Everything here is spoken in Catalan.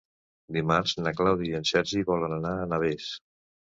Dimarts na Clàudia i en Sergi volen anar a Navès.